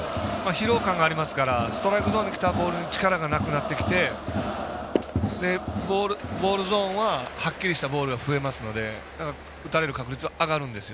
疲労感がありますからストライクゾーンにきたボールから力がなくなってきてボールゾーンははっきりしたボールが増えて打たれる確率は上がるんです。